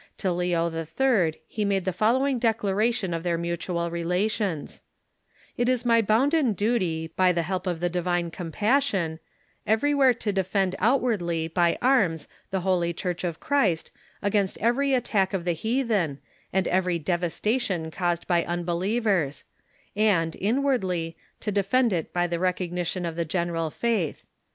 To Leo IH. he made the following declaration of their mutual relations: "It is my bounden duty, by the help of the divine compassion, every where to defend outwardly by arms the holy Church of Christ against every attack of the heathen, and every devastation caused by unbelievers ; and, inwardly, to defend it by the recognition of the general faith.